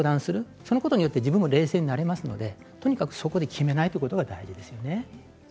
そのことによって自分も冷静になりますので、とにかくそこで決めないということが大事ですよね。